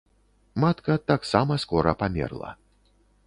Матка таксама скора памерла.